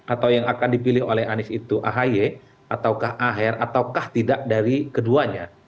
atau yang akan dipilih oleh anies itu ahy ataukah aher ataukah tidak dari keduanya